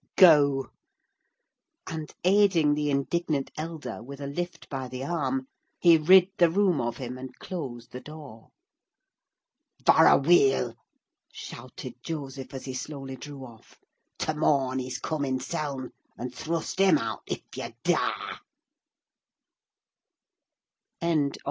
Go—" And, aiding the indignant elder with a lift by the arm, he rid the room of him and closed the door. "Varrah weell!" shouted Joseph, as he slowly drew off. "To morn, he's come hisseln, and thrust him out, if ye darr!"